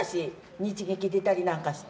日劇出たりなんかして。